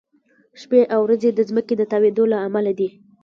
شپې او ورځې د ځمکې د تاوېدو له امله دي.